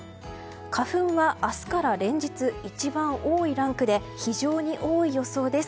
花粉は明日から連日、一番多いランクで非常に多い予想です。